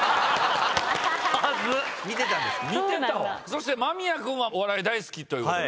そして間宮君はお笑い大好きということで。